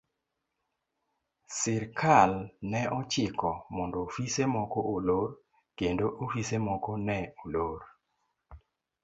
Sirkal ne ochiko mondo ofise moko olor kendo ofise moko ne olor.